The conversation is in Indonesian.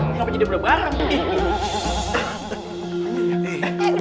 kenapa jadi berbareng